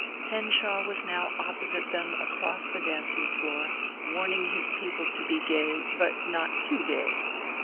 Henshaw was now opposite them across the dancing floor, warning his people to be gay but not too gay.